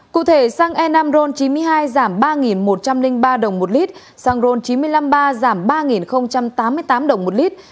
cụ thể xăng e năm ron chín mươi hai giảm ba một trăm linh ba đồng một lít xăng ron chín trăm năm mươi ba giảm ba tám mươi tám đồng một lít